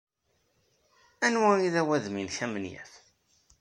Anwa ay d awadem-nnek amenyaf?